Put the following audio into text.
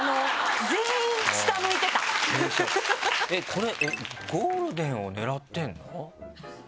これゴールデンを狙ってるの？